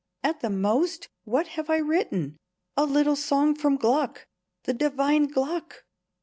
"At the most, what have I written? a little song from Gluck, the divine Gluck!